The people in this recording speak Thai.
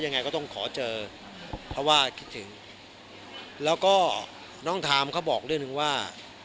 ยังไงก็ต้องขอเจอเพราะว่าคิดถึงแล้วก็น้องทามเขาบอกเรื่องหนึ่งว่า